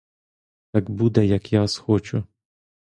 Так буде, як я схочу.